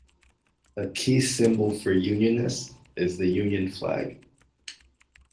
A key symbol for unionists is the Union Flag.